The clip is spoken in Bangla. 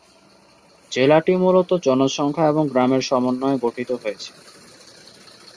জেলাটি মূলত জনসংখ্যা এবং গ্রামের সমন্বয়ে গঠিত হয়েছে।